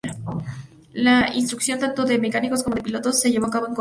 La instrucción tanto de mecánicos como de pilotos se llevó a cabo en Córdoba.